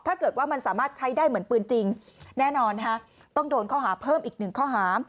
ถ้าเกิดว่ามันสามารถใช้ได้เหมือนปืนจริงแน่นอนต้องโดนข้อหาเพิ่มอีกหนึ่งข้อหา